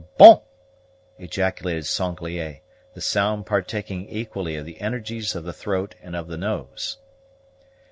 "Bon!" ejaculated Sanglier, the sound partaking equally of the energies of the throat and of the nose.